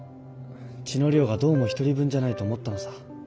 血の量がどうも一人分じゃないと思ったのさ。